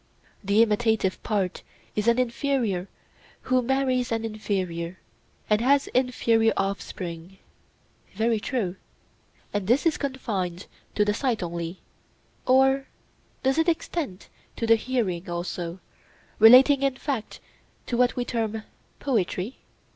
The imitative art is an inferior who marries an inferior, and has inferior offspring. Very true. And is this confined to the sight only, or does it extend to the hearing also, relating in fact to what we term poetry?